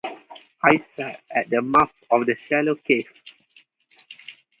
I sat at the mouth of the shallow cave.